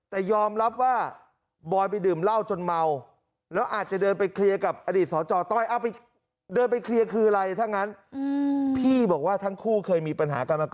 แต่ยอมรับว่าบอยไปดื่มเล่าจนเมา